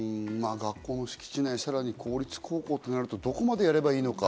学校の敷地内、さらに公立高校となると、どこまでやればいいのか。